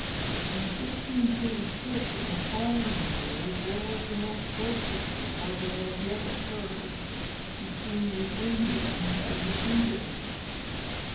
In 1636, and the following year, there was the most dreadful war that had yet occurred between the Indians and the English.